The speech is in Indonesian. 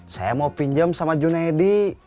saya mau pinjem sama junehedy